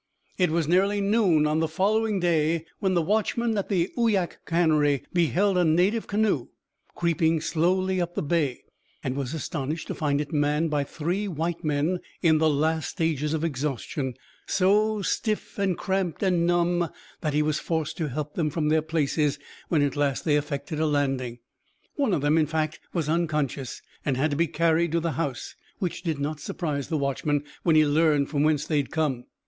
It was nearly noon on the following day when the watchman at the Uyak cannery beheld a native canoe creeping slowly up the bay, and was astonished to find it manned by three white men in the last stages of exhaustion so stiff and cramped and numb that he was forced to help them from their places when at last they effected a landing. One of them, in fact, was unconscious and had to be carried to the house, which did not surprise the watchman when he learned whence they had come.